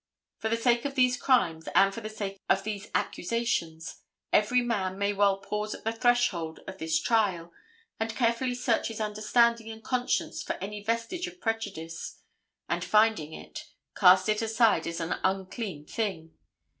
For the sake of these crimes and for the sake of these accusations, every man may well pause at the threshold of this trial and carefully search his understanding and conscience for any vestige of prejudice, and, finding it, cast it aside as an unclean thing.